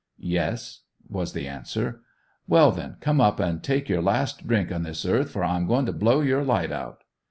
"Yes," was the answer. "Well then, come up and take your last drink on this earth, for I am going to blow your light out."